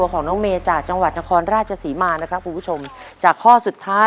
เป็นห่วงเด็กมากค่ะ